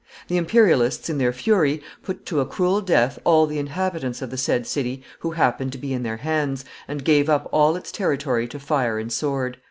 The Imperialists, in their fury, put to a cruel death all the inhabitants of the said city who happened to be in their hands, and gave up all its territory to fire and sword.